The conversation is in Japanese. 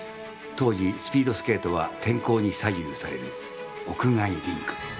当時、スピードスケートは天候に左右される、屋外リンク。